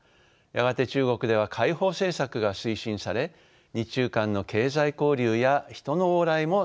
やがて中国では開放政策が推進され日中間の経済交流や人の往来も盛んになりました。